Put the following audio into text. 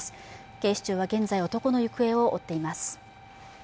警視庁は現在、男の行方を追っています。